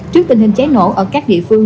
trước tình hình cháy nổ ở các địa phương